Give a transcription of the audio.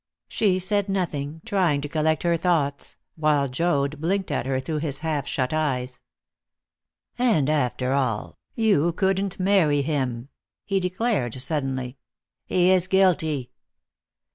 She said nothing, trying to collect her thoughts, while Joad blinked at her through his half shut eyes. "And, after all, you couldn't marry him," he declared suddenly; "he is guilty."